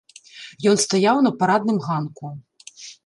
Ён стаяў на парадным ганку.